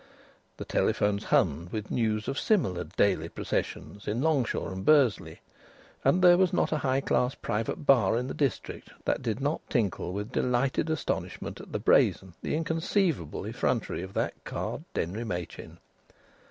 The telephones hummed with news of similar Daily processions in Longshaw and Bursley. And there was not a high class private bar in the district that did not tinkle with delighted astonishment at the brazen, the inconceivable effrontery of that card, Denry Machin.